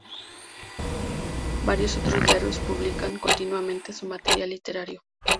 Varios otros diarios publicaban continuamente su material literario.